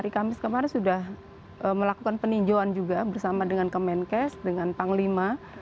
jadi sekarang sudah melakukan peninjauan juga bersama dengan kemenkes dengan panglima